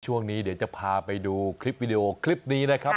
ช่วงนี้เดี๋ยวจะพาไปดูคลิปวิดีโอคลิปนี้นะครับ